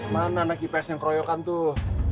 mana anak ips yang keroyokan tuh